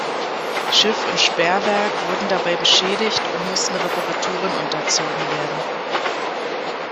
Schiff und Sperrwerk wurden dabei beschädigt und mussten Reparaturen unterzogen werden.